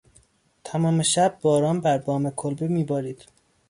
تمام شب باران بر بام کلبه میبارید.